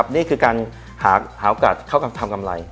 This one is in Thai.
นี่คือการหาโอกาสเข้าทำกำไร